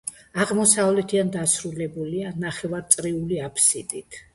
აღმოსავლეთიდან დასრულებულია ნახევარწრიული აბსიდით.